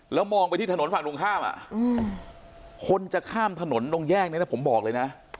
แล้วมองไปที่ถนนฝั่งตรงข้ามคนจะข้ามถนนตรงแยกนี้นะผมบอกเลยนะ